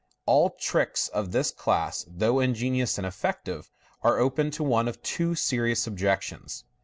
All tricks of this class, though ingenious and effective, are open to one or two serious objections.